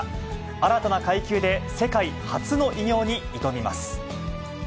新たな階級で世界初の偉業に挑みます。